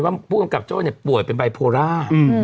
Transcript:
ว่าผู้กำกับโจทย์เนี่ยป่วยเป็นบริโภลา